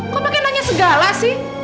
kok pengen nanya segala sih